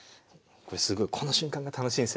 すごいこの瞬間が楽しいんですよね。